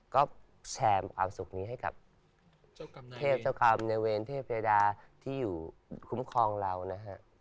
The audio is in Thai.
ก็แชร์ความสุขนี้ให้กับเทพเจ้ากรรมในเวรเทพเพดาที่อยู่คุ้มครองเรานะฮะ